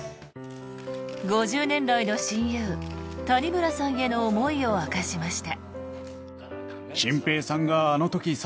５０年来の親友、谷村さんへの思いを明かしました。